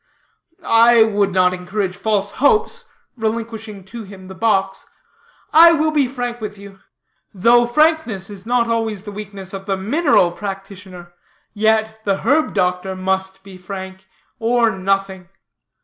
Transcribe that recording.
"I will not encourage false hopes," relinquishing to him the box, "I will be frank with you. Though frankness is not always the weakness of the mineral practitioner, yet the herb doctor must be frank, or nothing.